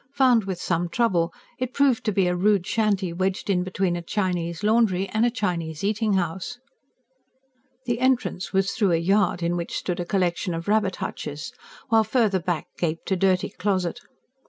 Found with some trouble, it proved to be a rude shanty wedged in between a Chinese laundry and a Chinese eating house. The entrance was through a yard in which stood a collection of rabbit hutches, while further back gaped a dirty closet.